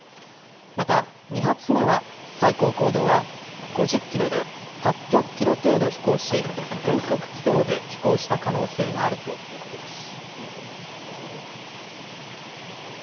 また２発目は、最高高度は５０キロで、８００キロ程度飛行し、変則軌道で飛行した可能性があるということです。